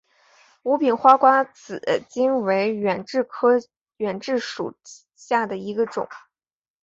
无柄花瓜子金为远志科远志属下的一个种。